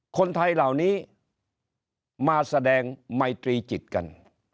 คนไทยเหล่านี้มาแสดงไมตรีจิตกัน